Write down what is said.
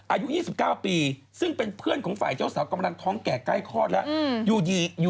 อายุ๒๙ปีซึ่งเป็นเพื่อนของฝ่ายเจ้าสาวกำลังท้องแก่ใกล้คลอดแล้ว